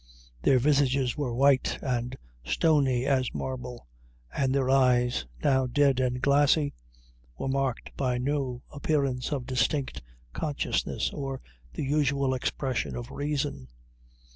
Their visages were white and stony as marble, and their eyes, now dead and glassy, were marked by no appearance of distinct consciousness, or the usual expression of reason.